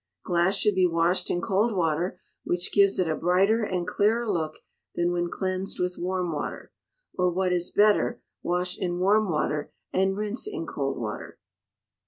Glass should be washed in cold water, which gives it a brighter and clearer look than when cleansed with warm water; or, what is better, wash in warm water and rinse in cold water.